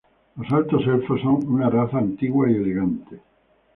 La Altos Elfos son una raza antigua y elegante.